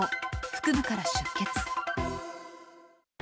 腹部から出血。